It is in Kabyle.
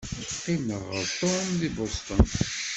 Qqimeɣ ɣur Tom deg Boston.